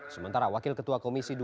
sementara wakil ketua komisi dua